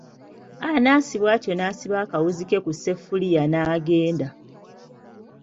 Anansi bw'atyo n'asiba akawuzi ke ku sseffuliya n'agenda.